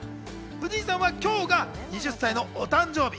藤井さんは今日が２０歳の誕生日。